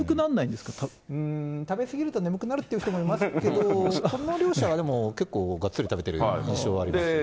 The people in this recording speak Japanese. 食べ過ぎると眠くなる人もいますけど、この両者は結構、がっつり食べてる印象ありますね。